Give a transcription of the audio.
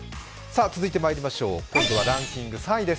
今度はランキング３位です。